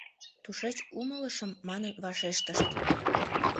Тушеч «Умылышым» манын вашештышт.